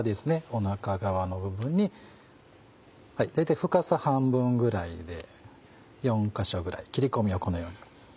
お腹側の部分に大体深さ半分ぐらいで４か所ぐらい切り込みをこのように。